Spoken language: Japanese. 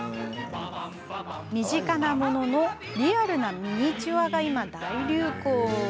身近なもののリアルなミニチュアが今、大流行。